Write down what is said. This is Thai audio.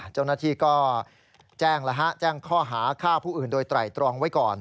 เจ้าหน้าที่ก็แจ้งแจ้งข้อหาฆ่าผู้อื่นโดยไตรตรองไว้ก่อน